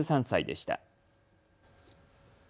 ８３歳でした。